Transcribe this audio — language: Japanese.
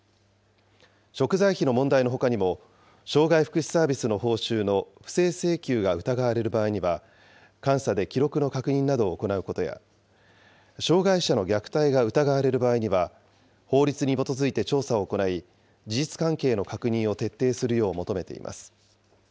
食材費の問題のほかにも、障害福祉サービスの報酬の不正請求が疑われる場合には、監査で記録の確認などを行うことや、障害者の虐待が疑われる場合には、法律に基づいて調査を行い、事実関係の確認を徹底するよう求めています。